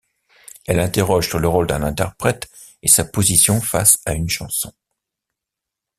Elle interroge sur le rôle d'un interprète et sa position face à une chanson.